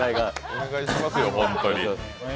お願いしますよ、ほんとに。